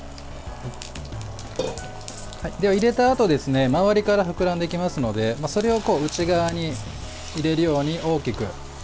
入れたあと周りから膨らんでいきますのでそれを内側に入れるように大きく。